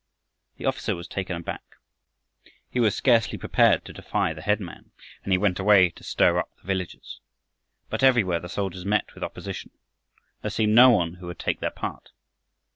The officer was taken aback. He was scarcely prepared to defy the headman, and he went away to stir up the villagers. But everywhere the soldiers met with opposition. There seemed no one who would take their part.